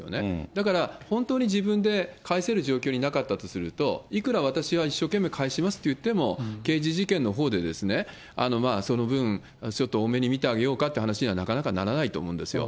だから、本当に自分で返せる状況になかったとすると、いくら私は一生懸命返しますって言っても、刑事事件のほうでその分、ちょっと大目に見てあげようかという話にはなかなかならないと思うんですよ。